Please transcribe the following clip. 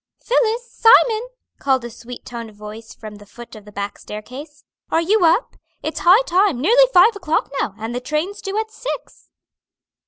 "Phillis! Simon!" called a sweet toned voice from the foot of the back staircase; "are you up? It's high time; nearly five o'clock now, and the train's due at six."